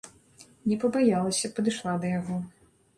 Не пабаялася, падышла да яго.